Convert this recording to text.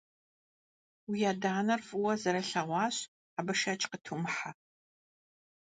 Уи адэ-анэр фӀыуэ зэрылъэгъуащ, абы шэч къытумыхьэ.